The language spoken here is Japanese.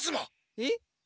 えっ？